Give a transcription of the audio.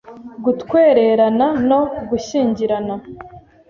gutwererana no gushyingirana.